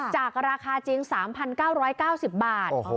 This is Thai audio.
จากราคาจริง๓๙๙๐บาท